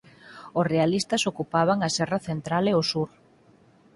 Os realistas ocupaban a serra central e o sur.